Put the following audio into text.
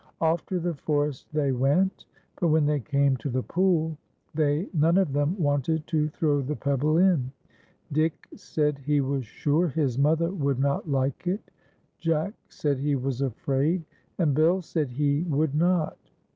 Off to the forest they went. When they came to the pool, they none of them wanted to throw the pebble in. Dick said he was sure his mother would not like it; Jack said he was afraid; and Bill said he would not.